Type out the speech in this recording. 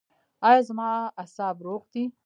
ایا زما اعصاب روغ دي؟